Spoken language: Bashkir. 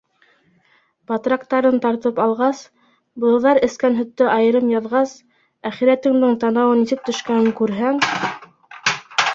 Батрактарын тартып алғас, быҙауҙар эскән һөттө айырып яҙғас, әхирәтеңдең танауы нисек төшкәнен күрһәң!